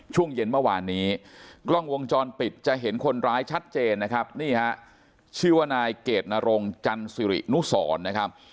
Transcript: ช่วงเย็นเมื่อวานนี้กล้องวงจรปิดจะเห็นคนร้ายชัดเจนนะครับนี่ฮะชื่อว่านายเกดนรงจันสิรินุสรนะครับ